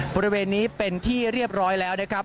บริเวณนี้เป็นที่เรียบร้อยแล้วนะครับ